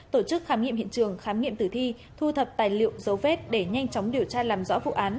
tổ chức khám nghiệm hiện trường khám nghiệm tử thi thu thập tài liệu dấu vết để nhanh chóng điều tra làm rõ vụ án